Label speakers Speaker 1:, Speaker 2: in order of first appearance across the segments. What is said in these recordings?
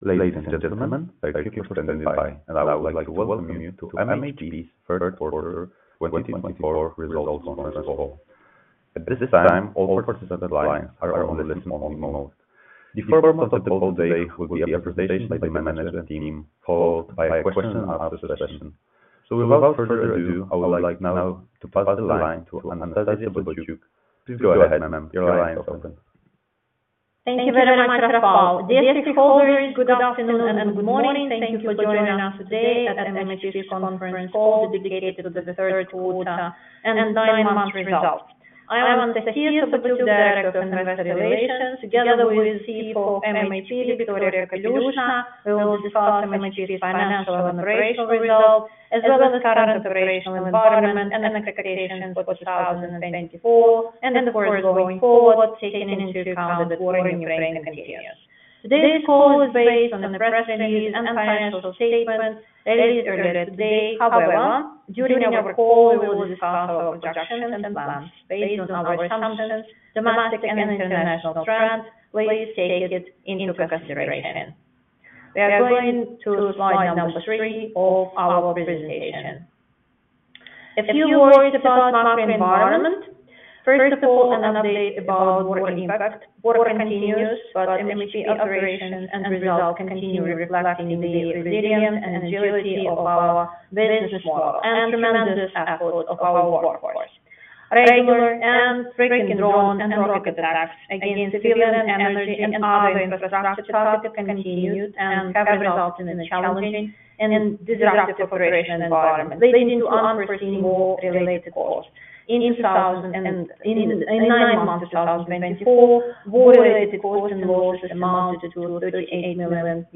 Speaker 1: Ladies and gentlemen, thank you for standing by, and I would like to welcome you to MHP's Third Quarter 2024 results once more. At this time, all participants online are on the list. The first part of the day will be a presentation by my management team followed by a question-and-answer session. So without further ado, I would like now to pass the line to Anastasiya Sobotyuk. Please go ahead and keep your line open.
Speaker 2: Thank you very much for the call. Dear stakeholders, good afternoon and good morning. Thank you for joining us today at the MHP's conference call dedicated to the third quarter and nine-month results. I am Anastasiya Sobotyuk, Director of Investor Relations. Together with CFO of MHP, Viktoria Kapelyushnaya, we will discuss MHP's financial and operational results, as well as the current operational environment and expectations for 2024, and of course going forward, taking into account the growing trend in the companies. Today's call is based on the press release and financial statements released earlier today. However, during our call, we will discuss our projections and plans based on our assumptions, domestic and international trends, please take it into consideration. We are going to slide number three of our presentation. A few words about our environment. First of all, an update about war impact. Work continues, but MHP operations and results continue reflecting the resilience and agility of our business model and tremendous efforts of our workforce. Regular and frequent drone and rocket attacks against civilian energy and other infrastructure targets continued and have resulted in a challenging and disruptive operational environment leading to unforeseen war-related costs. In nine months of 2024, war-related costs in Russia amounted to $38 million.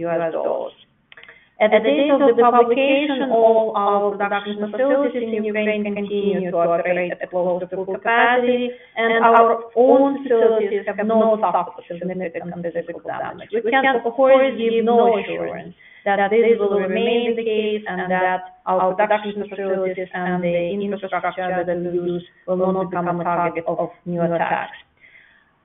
Speaker 2: At the date of the publication, all our production facilities in Ukraine continue to operate at close to full capacity, and our own facilities have not suffered significant physical damage. We can, of course, give no assurance that this will remain the case and that our production facilities and the infrastructure that we use will not become a target of new attacks.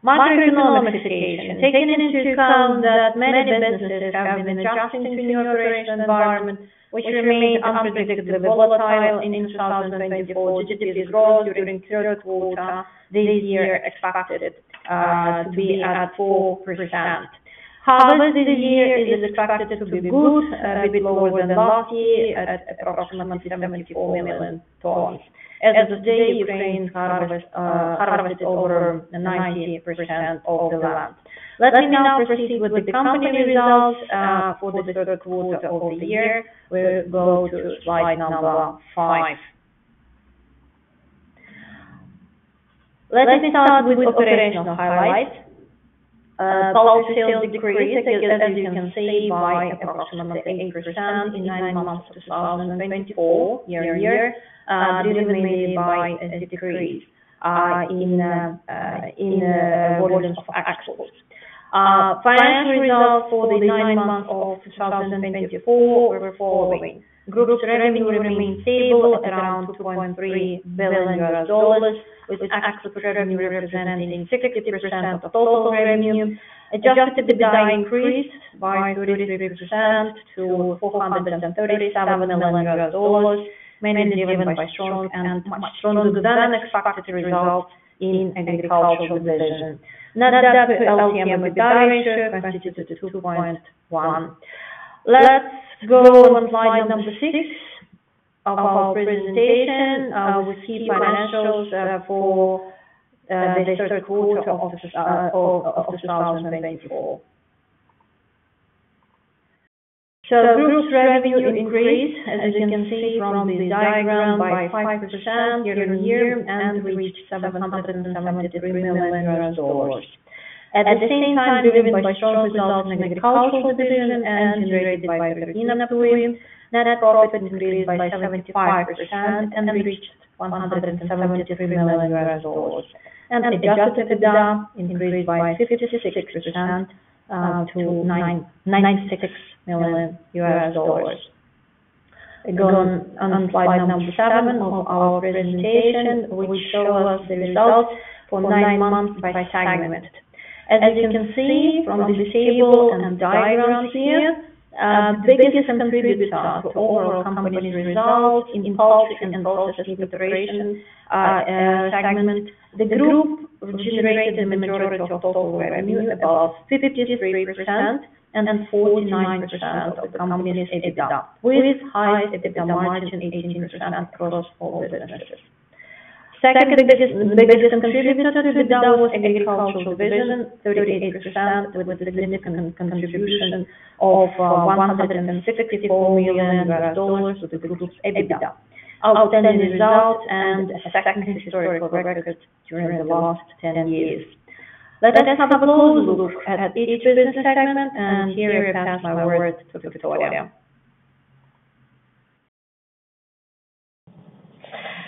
Speaker 2: Macroeconomic situation. Taking into account that many businesses have been adjusting to the new operational environment, which remained unpredictably volatile in 2024, GDP growth during the third quarter this year is expected to be at 4%. Harvest this year is expected to be good, a bit lower than last year, at approximately 74 million tons. As of today, Ukraine harvested over 90% of the land. Let me now proceed with the company results for the third quarter of the year. We're going to slide number five. Let me start with operational highlights. Costs still decreased, as you can see, by approximately 8% in nine months of 2024, year-on-year, but remaining by a decrease in the volume of exports. Financial results for the nine months of 2024 were the following: Group's revenue remained stable at around $2.3 billion, with export revenue representing 60% of total revenue. Adjusted EBITDA decreased by 33% to $437 million, mainly driven by strong and much stronger than expected results in agricultural division. Net debt to LTM EBITDA ratio continued at 2.1. Let's go to slide number six of our presentation. We see financials for the third quarter of 2024. So group revenue increased, as you can see from the diagram, by 5% year-on-year and reached $773 million. At the same time, driven by strong results in agricultural division and generated by the revenue pool, net profit increased by 75% and reached $173 million. And Adjusted EBITDA increased by 56% to $96 million. We're going on to slide number seven of our presentation, which shows us the results for nine months by segment. As you can see from the table and diagram here, the biggest contributor to overall company results is the poultry and processed operations segment. The group generated the majority of total revenue, about 53%, and 49% of company EBITDA, with high EBITDA margin of 18% across all businesses. Second biggest contributor to EBITDA was agricultural division, 38%, with a significant contribution of $164 million to the group's EBITDA. Outstanding results and a second historical record during the last 10 years. Let us have a closer look at each business segment, and here I pass my word to Viktoria.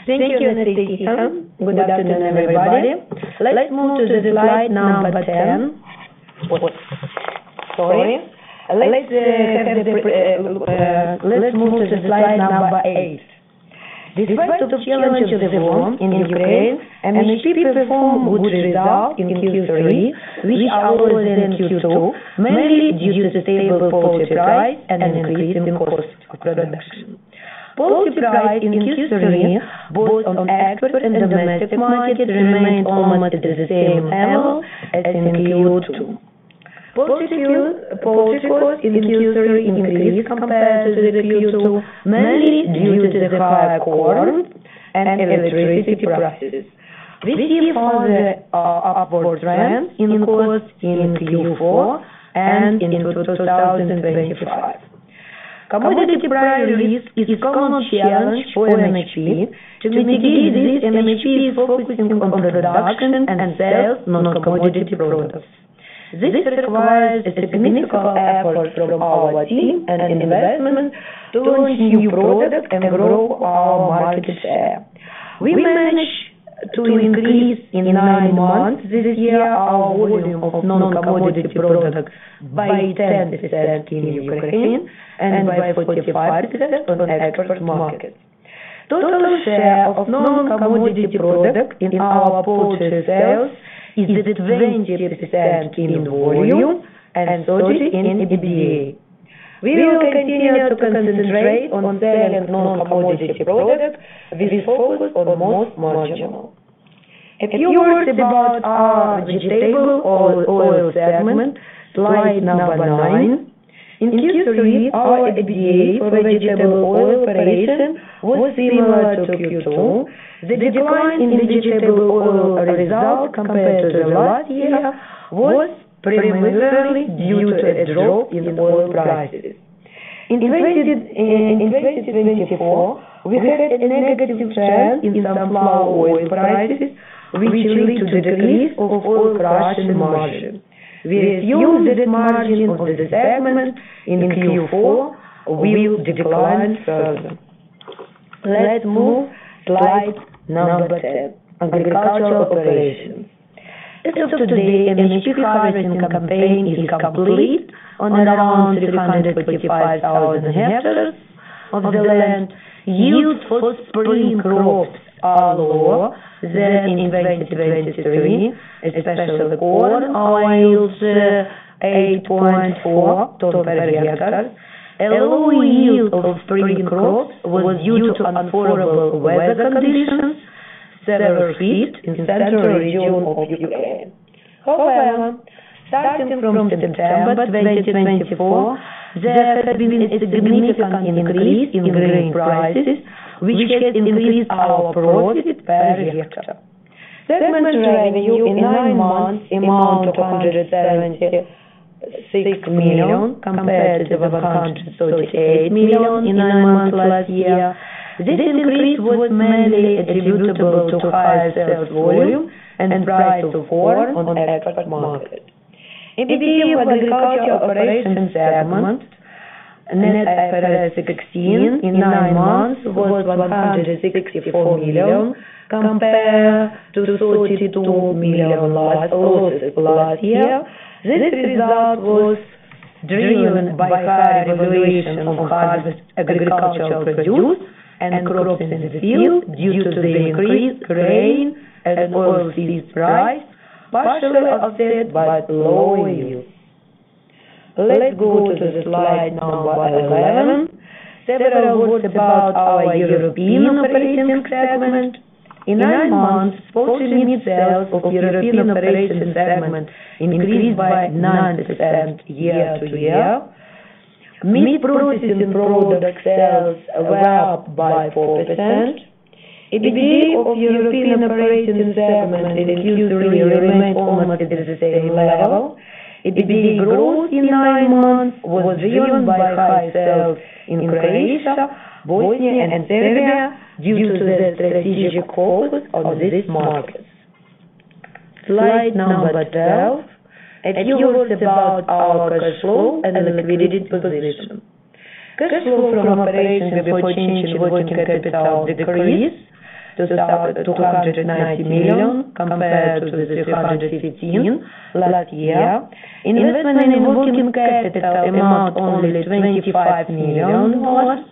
Speaker 3: Thank you, Anastasiya. Good afternoon, everybody. Let's move to slide number ten. Sorry. Let's move to slide number eight. Despite the challenges of war in Ukraine, MHP performed good results in Q3, which outweighed Q2, mainly due to stable poultry price and increasing cost of production. Poultry price in Q3, both on export and domestic market, remained almost the same level as in Q2. Poultry costs in Q3 increased compared to Q2, mainly due to the high corn and electricity prices. We see further upward trends in costs in Q4 and into 2025. Commodity price release is a common challenge for MHP. To mitigate this, MHP is focusing on production and sales of non-commodity products. This requires a significant effort from our team and investments to launch new products and grow our market share. We managed to increase in nine months this year our volume of non-commodity products by 10% in Ukraine and by 45% on export markets. Total share of non-commodity products in our purchase sales is 20% in volume and 30% in EBITDA. We will continue to concentrate on selling non-commodity products with focus on most marginal. A few words about our vegetable oil segment. Slide number nine. In Q3, our EBITDA for vegetable oil operation was similar to Q2. The decline in the vegetable oil results compared to the last year was primarily due to a drop in oil prices. In 2024, we had a negative trend in sunflower oil prices, which led to a decrease of oil production margin. We refused that margin of the segment in Q4, which declined further. Let's move to slide number ten, agricultural operations. As of today, MHP harvesting campaign is complete on around 345,000 hectares of the land. Yield for spring crops are lower than in 2023. Especially corn, our yields are 8.4 tons per hectare. A lower yield of spring crops was due to unfavorable weather conditions, severe heat in the central region of Ukraine. However, starting from September 2024, there has been a significant increase in grain prices, which has increased our profit per hectare. Segment revenue in nine months amounted to $176 million compared to $138 million in nine months last year. This increase was mainly attributable to high sales volume and price of corn on export market. In the agricultural operation segment, EBITDA in nine months was $164 million compared to $42 million last period last year. This result was driven by higher valuation of harvested agricultural produce and crops in the field due to the increased grain and oilseed price, partially offset by lower yield. Let's go to slide number 11. Several words about our European operating segment. In nine months, poultry sales of European operating segment increased by 9% year-to-year. Meat processing product sales were up by 4%. EBITDA of European operating segment in Q3 remained almost at the same level. EBITDA growth in nine months was driven by high sales in Croatia, Bosnia, and Serbia due to the strategic focus on these markets. Slide number 12. A few words about our cash flow and liquidity position. Cash flow from operations before working capital decreased to $290 million compared to $315 million last year. Investment in working capital amounted only to $25 million USD.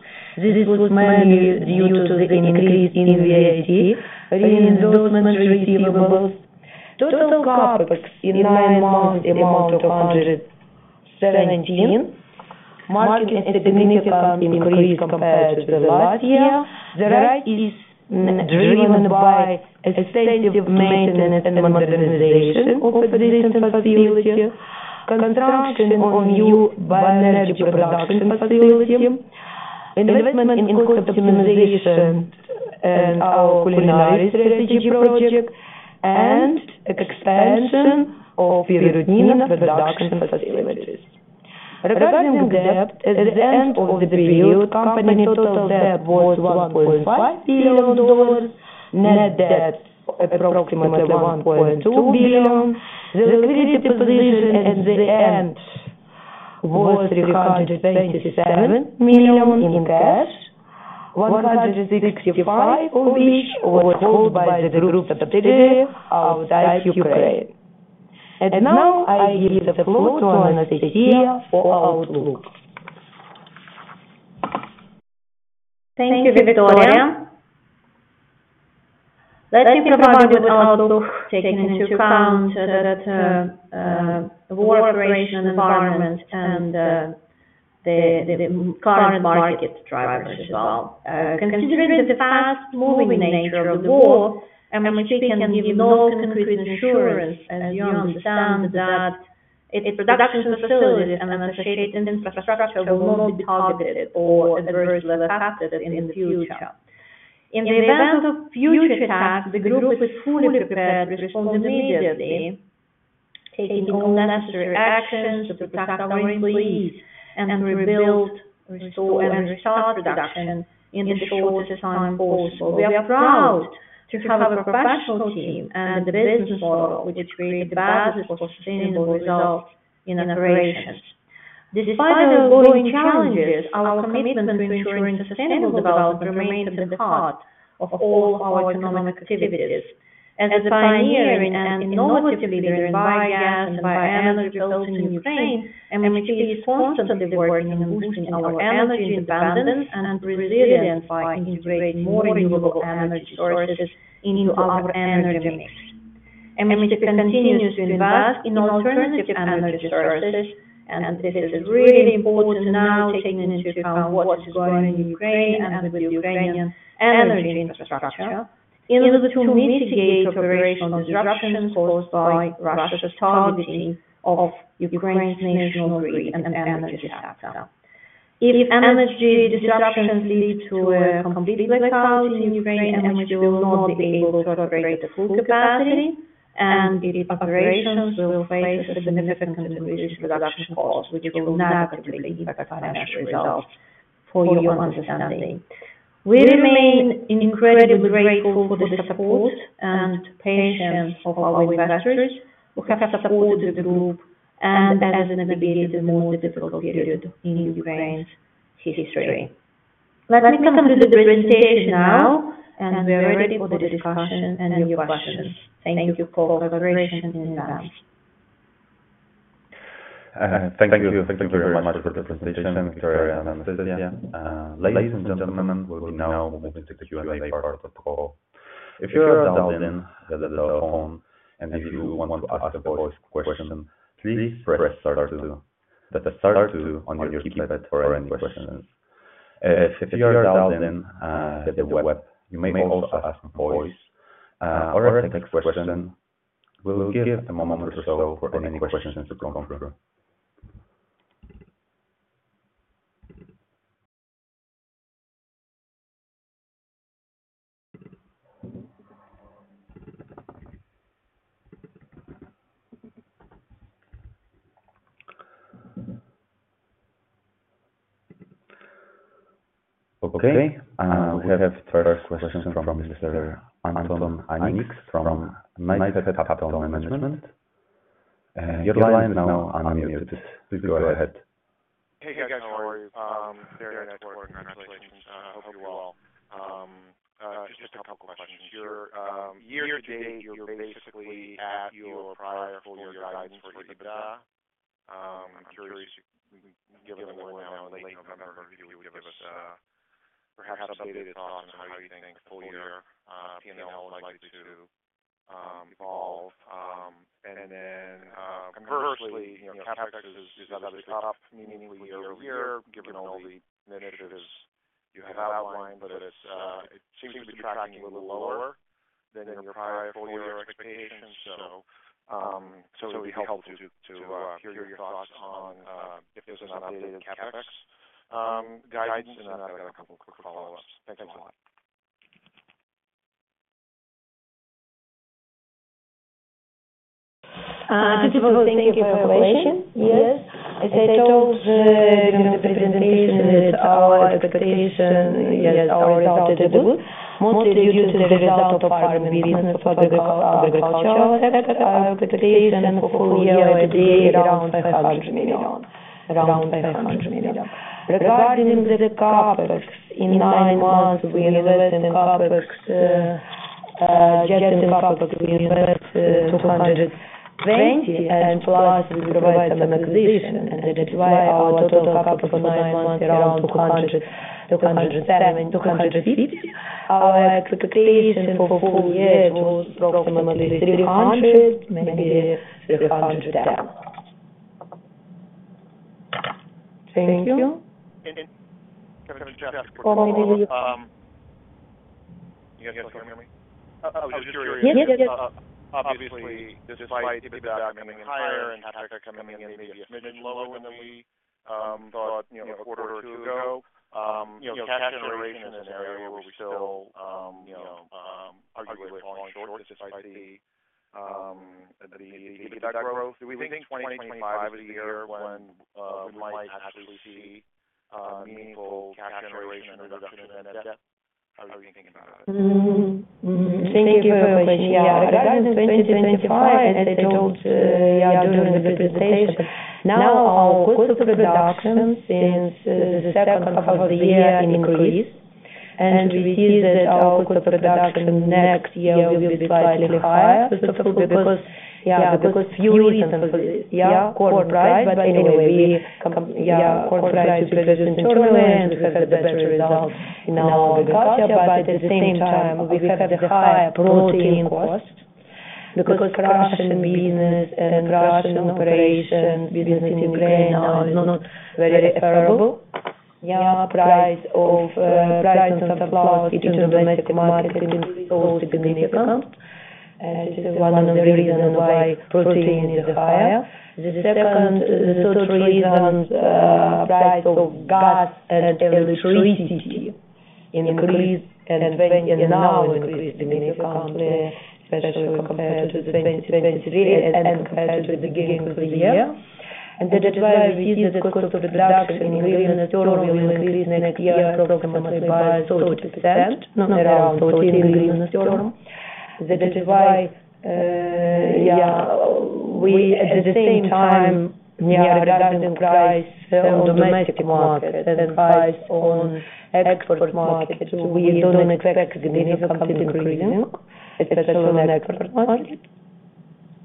Speaker 3: This was mainly due to the increase in VAT reinvestment receivables. Total CapEx in nine months amounted to $117 million. A marked significant increase compared to last year. CapEx is driven by extensive maintenance and modernization of operating facilities, construction on new bioenergy production facilities, investment in cost optimization and our culinary strategy project, and expansion of European production facilities. Regarding debt at the end of the period. Company total debt was $1.5 billion. Net debt approximately $1.2 billion. The liquidity position at the end was $327 million in cash, $165 million, which was held by the group in Italy outside Ukraine. Now I give the floor to Anastasiya for outlook. Thank you, Viktoria. Let me provide an outlook taking into account the war and operational environment and the current market drivers as well. Considering the fast-moving nature of the war, MHP can give no concrete assurance as you understand that its production facilities and associated infrastructure will not be targeted or adversely affected in the future. In the event of future attacks, the group is fully prepared to respond immediately, taking all necessary actions to protect our employees and rebuild and restart production in the shortest time possible. We are proud to have a professional team and a business model which creates valuable sustainable results in operations. Despite the ongoing challenges, our commitment to ensuring sustainable development remains at the heart of all our economic activities. As a pioneer and innovative leader in biogas and bioenergy products in Ukraine, MHP is constantly working on boosting our energy dependence and resilience by integrating more renewable energy sources into our energy mix. MHP continues to invest in alternative energy sources, and this is really important now taking into account what is going on in Ukraine and with the Ukrainian energy infrastructure in order to mitigate operational disruptions caused by Russia's targeting of Ukraine's national grid and energy sector. If energy disruptions lead to a complete blackout in Ukraine, MHP will not be able to operate at full capacity, and operations will face a significant increase in production costs, which will negatively impact financial results for your understanding. We remain incredibly grateful for the support and patience of our investors who have supported the group and, as indicated, the most difficult period in Ukraine's history. Let me conclude the presentation now, and we are ready for the discussion and your questions. Thank you for cooperation in advance.
Speaker 1: Thank you very much for the presentation, Viktoria and Anastasiya. Ladies and gentlemen, we'll be now moving to the Q&A part of the call. If you're dialed in via the phone and if you want to ask a voice question, please press star two. That's a star two on your keypad for any questions. If you're dialed in via the web, you may also ask a voice or a text question. We'll give a moment or so for any questions to come through. Okay. We have first questions from Mr. Anton Hanyks from Knipepetato Management. Your line is now unmuted. Please go ahead. Hey, guys. How are you? Very nice working relations. Hope you're well. Just a couple of questions. Year to date, you're basically at your prior full-year guidance for EBITDA. I'm curious, given we're now in late November, if you would give us perhaps a brief thought on how you think full-year P&L would like to evolve? And then conversely, CapEx is at its top, meaning for year over year, given all the initiatives you have outlined, but it seems to be tracking a little lower than your prior full-year expectations. So it would be helpful to hear your thoughts on if there's an updated CapEx guidance and then a couple of quick follow-ups? Thanks so much.
Speaker 3: Thank you for the information. Yes. As I told during the presentation, our expectation is our result is good, mostly due to the result of our business for the agricultural sector. Our expectation for full-year today is around $500 million. Around $500 million. Regarding the CapEx in nine months, we invest in CapEx yet and CapEx we invest $220 and plus the revised acquisition. And that's why our total CapEx for nine months is around $250. Our expectation for full-year was approximately $300, maybe $310. Thank you. Yes, yes. Obviously, despite EBITDA coming in higher and CapEx coming in the mid and low in a quarter or two ago, cash generation is an area where we still arguably fall short despite the EBITDA growth. Do we think 2025 is a year when we might actually see meaningful cash generation reduction in EBITDA? How are you thinking about it? Thank you for the information. Regarding 2025, as I told you during the presentation, now our cost of production since the second half of the year is increasing, and we see that our cost of production next year will be slightly higher because fuel isn't for corn price, but anyway, corn prices will be determined and we have a better result in our agriculture, but at the same time, we have the high protein cost because production business and production operation business in Ukraine is not very favorable. Price of soybean into domestic market is also significant, and this is one of the reasons why protein is higher. The second, the third reason, price of gas and electricity increased and now increased significantly, especially compared to 2023 and compared to the beginning of the year. That's why we see that the cost of production in green steel will increase next year approximately by 30%, around $40 million in steel. That's why we, at the same time, regarding price on domestic market and price on export market, we don't expect significant increasing, especially on export market.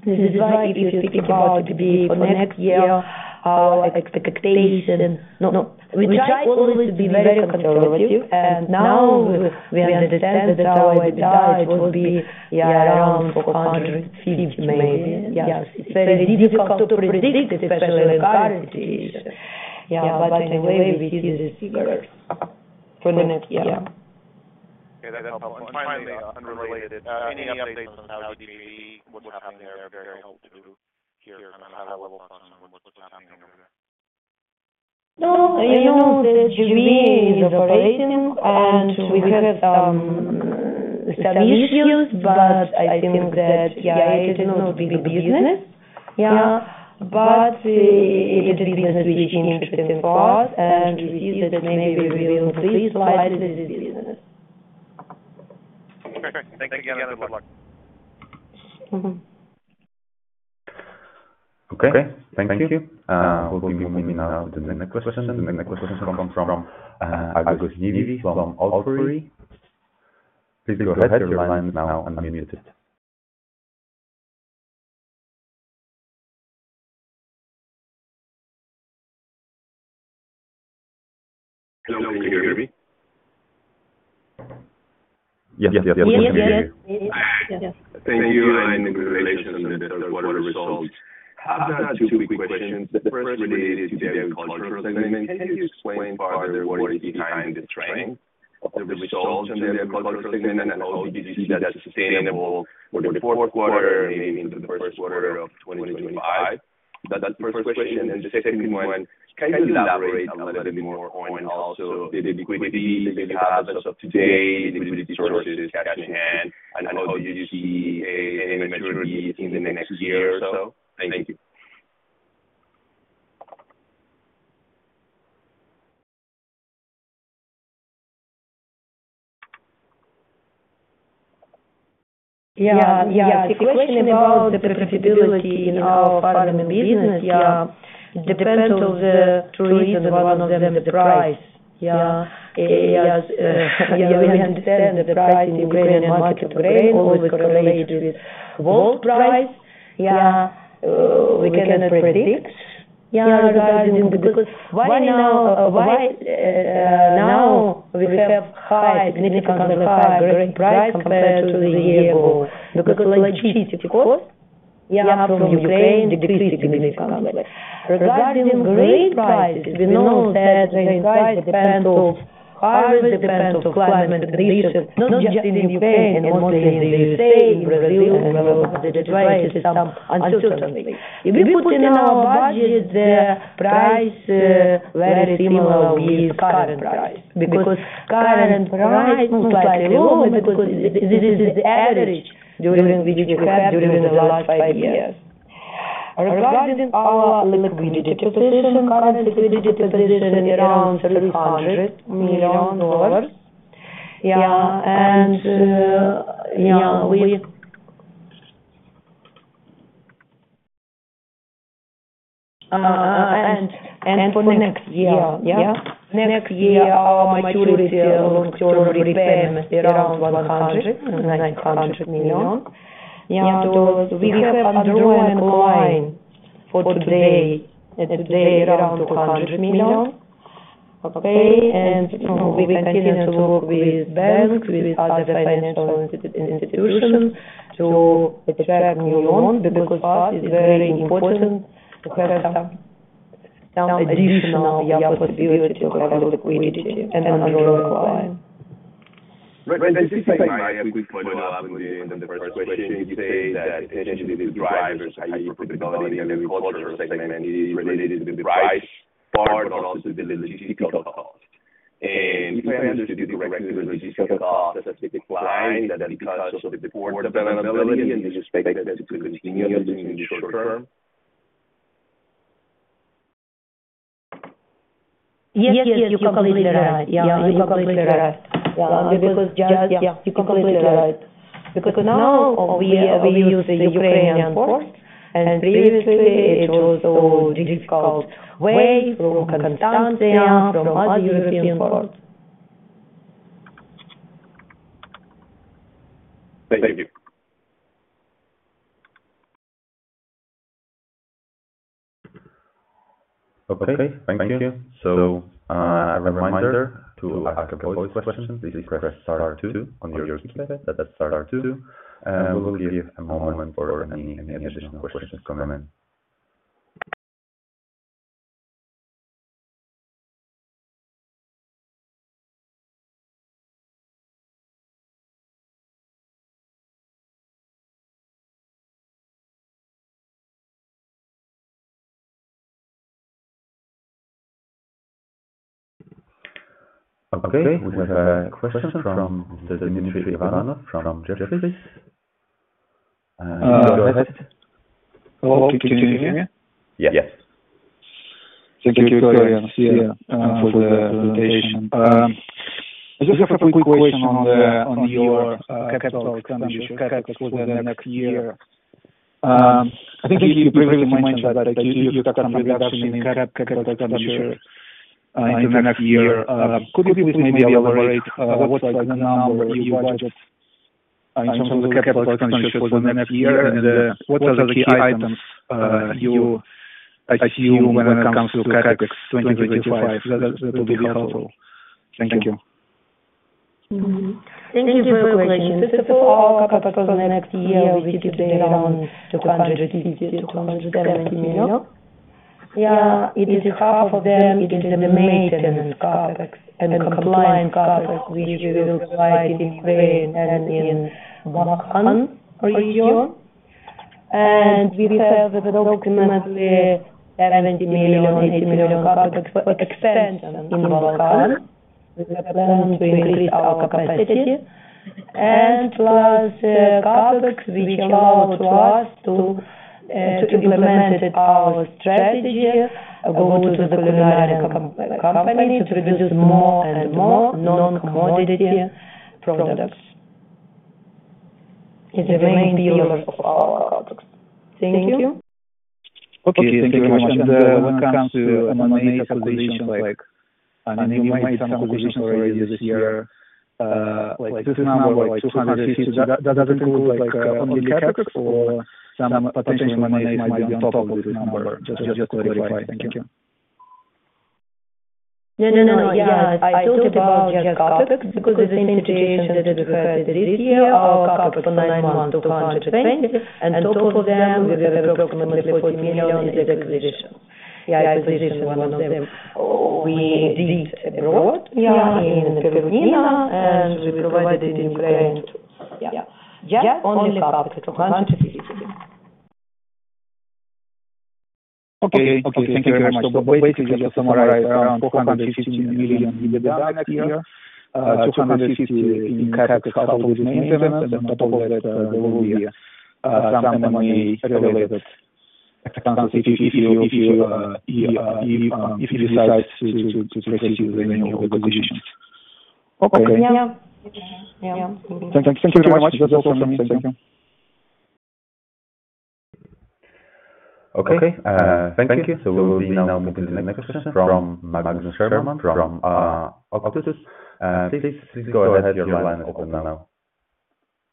Speaker 3: That's why if you speak about EBITDA for next year, our expectation will try always to be very conservative, and now we understand that our EBITDA will be around $450 million. It's very difficult to predict, especially in current situation. Anyway, we see this for the next year. Finally, unrelated, any updates on how the war, what's happening there are very helpful to hear from a higher level on what's happening in Ukraine? No, you know, the GBA is operating, and we have some issues, but I think that it is not a big business. But it is a business which is interesting for us, and we see that maybe we will increase slightly this business. Thank you again. Good luck.
Speaker 1: Okay. Thank you. We'll be moving now to the next question. The next question is from Agus Nyivi from Orit Keinan-Nahon. Please go ahead. Your line is now unmuted. Hello. Can you hear me? Yes, yes, yes. Thank you. In relation to the Q4 results, I have two quick questions. The first related to the agriculture segment. Can you explain further what is behind the trend of the results in the agriculture segment, and how do you see that sustainable for the fourth quarter, maybe into the first quarter of 2025? That's the first question. The second one, can you elaborate a little bit more on also the liquidity that you have as of today, the liquidity sources cash in hand, and how do you see maturities in the next year or so? Thank you.
Speaker 3: Yeah, yeah. The question about the profitability in our farming business, yeah, depends on the reason one of them is price. Yeah, you understand the price in Ukrainian market today always correlates with world price. Yeah, we can predict regarding because right now we have high significantly higher growth price compared to the year ago because cheap cost from Ukraine decreased significantly. Regarding grain prices, we know that the price depends of harvest, depends of climate conditions, not just in Ukraine, but in the UK, Brazil, and the trade is uncertain. If we put in our budget, the price very similar with current price because current price is not like at all because this is the average during which we had during the last five years. Regarding our liquidity position, current liquidity position is around $300 million. Yeah, and for next year, next year our maturity long-term repayment is around $100-$900 million. Yeah, because we have a drawing line for today, today around $200 million. Okay, and we continue to work with banks, with other financial institutions to attract new loans because it's very important to have some additional possibility to have liquidity and on a drawing line. Right. And just to clarify, I think we pointed out in the first question you say that attention to the drivers of high profitability in the agriculture segment is related to the price part of the logistical cost. And if you have to do directly with logistical costs, does it decline? Does it because of the port availability and the expectation to continue in the short term? Yes, yes, you completely right. You completely right. Because yes, you completely right. Because now we use the Ukrainian ports, and previously it was also difficult way from Constanța, from other European ports. Thank you.
Speaker 1: Okay. Thank you. So a reminder to ask both questions. Please press star two on your keypad. That's a star two. And we'll give you a moment for any additional questions to come in. Okay. We have a question from Dmitry Ivanov from Jefferies.
Speaker 4: Hello. Thank you for your invitation. I just have a quick question on your capital expenditure for the next year. I think you previously mentioned that you took some reduction in capital expenditure in the next year. Could you please maybe elaborate what's the number you wanted in terms of the capital expenditure for the next year, and what are the key items you assume when it comes to CapEx 2025? That would be helpful. Thank you.
Speaker 3: Thank you for the question. First of all, capital for the next year, we keep it around $250-$270 million. Yeah, it is half of them. It is a maintenance CapEx and compliance CapEx which we will apply in Ukraine and in Balkan region. And we have approximately $70-$80 million CapEx expense in Balkan. We plan to increase our capacity. And plus CapEx which allows us to implement our strategy, go to the culinary companies to produce more and more non-commodity products. It remains the other of our CapEx. Thank you.
Speaker 4: Okay. Thank you very much. And when it comes to M&A acquisitions, like any new acquisitions this year, like this number, like 250, does it include only CapEx or some potential M&A might be on top of this number? Just to clarify. Thank you.
Speaker 3: Yeah, yeah, yeah. I told you about CapEx because the same situation that we had this year. Our CapEx for nine months was $220, and total for them we have approximately $40 million in the acquisitions. Yeah, acquisitions one of them we did growth in the culinary and we provided it in Ukraine too. Yeah, only CapEx $450.
Speaker 4: Okay. Thank you very much. So basically, to summarize, around $450 million EBITDA next year, $250 million in CapEx coupled with maintenance, and on top of that, there will be some M&A related expenses if you decide to proceed with any new acquisitions. Okay. Thank you very much. That's all from me. Thank you.
Speaker 1: Okay. Thank you. So we'll be now moving to the next question from Magnus Herman from Octopus. Please go ahead and have your line open now.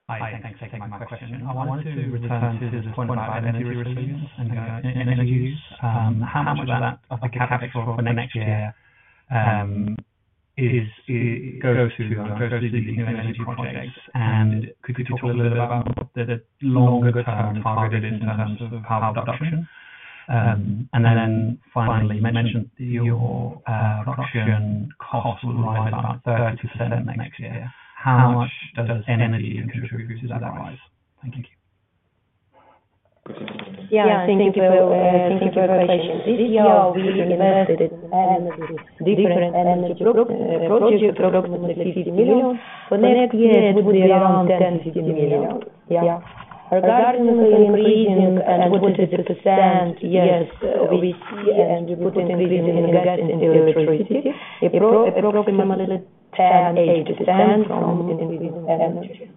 Speaker 1: Hi. Thanks for my question. I wanted to return to the point about energy resilience and energy use. How much of that of the CapEx for next year goes to these new energy projects? And could you talk a little bit about the longer-term target in terms of power production? And then finally, you mentioned your production cost will rise by 30% next year. How much does energy contribute to that rise? Thank you.
Speaker 3: Yeah. Thank you for the question. This year we invested in different energy projects, approximately $50 million. For next year, it will be around $10-15 million. Yeah. Regarding increasing another 20%, yes, we see and put increasing in gas and electricity, approximately 10-8% from increasing energy.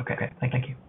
Speaker 3: Okay. Thank you.